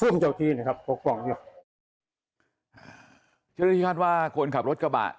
ฟุ่มเจ้าทีนะครับปกป้องเลยเชื่อได้ที่คาดว่าคนขับรถกระบะ